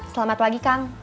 selamat pagi kang